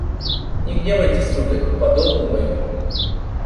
Не гневайтесь, сударь: по долгу моему